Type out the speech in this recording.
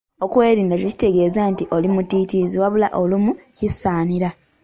Okwerinda tekitegeeza nti olimutiitiizi wabula olumu kisaanira.